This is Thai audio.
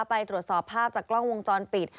ไปตรวจสอบภาพจากกล้องวงจรปิด